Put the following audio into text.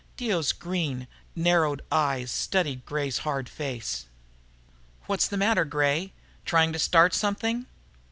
Dio's green, narrowed eyes studied Gray's hard face. "What's the matter, Gray? Trying to start something?"